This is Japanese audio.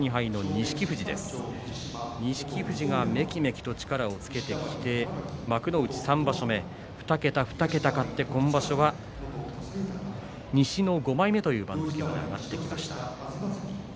錦富士が、めきめきと力をつけてきて幕内３場所目２桁２桁勝って今場所は西の５枚目という番付です。